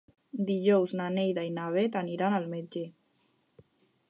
Dijous na Neida i na Bet aniran al metge.